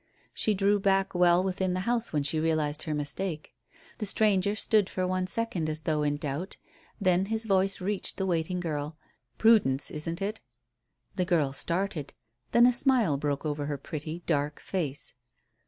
She drew back well within the house when she realized her mistake. The stranger stood for one second as though in doubt; then his voice reached the waiting girl. "Prudence, isn't it?" The girl started. Then a smile broke over her pretty, dark face.